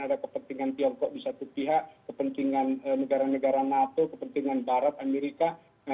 ada kepentingan tiongkok di satu pihak kepentingan negara negara nato kepentingan barat amerika